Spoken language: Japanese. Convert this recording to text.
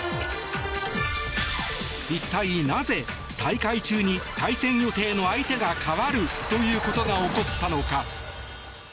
一体なぜ大会中に対戦予定の相手が変わるということが起こったのか。